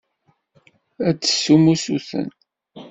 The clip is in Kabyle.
Ad d-tessum usuten.